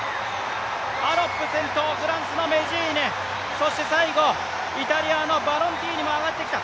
アロップ先頭、フランスのメジーヌそして最後、イタリアのバロンティーニも上がってきた。